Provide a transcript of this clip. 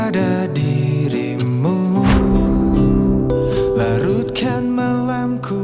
habis dayaku untuk mengingatmu